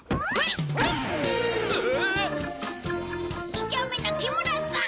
二丁目の木村さん